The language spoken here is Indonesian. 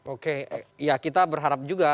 oke ya kita berharap juga